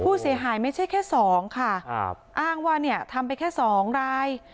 ผู้เสียหายไม่ใช่แค่สองค่ะครับอ้างว่าเนี่ยทำไปแค่สองราย